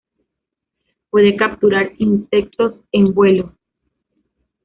Puede capturar insectos en vuelo.